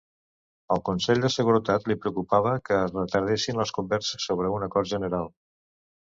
Al Consell de Seguretat li preocupava que es retardessin les converses sobre un acord general.